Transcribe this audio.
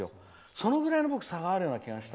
そのぐらいの差があるような気がして。